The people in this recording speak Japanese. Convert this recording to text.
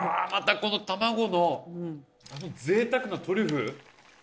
この卵のぜいたくなトリュフ